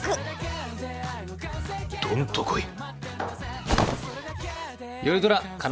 どんと来い。